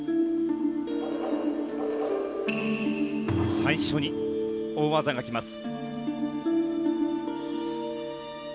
最初に大技が来ます。